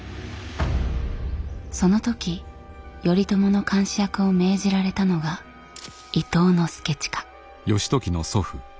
その時頼朝の監視役を命じられたのが伊東祐親。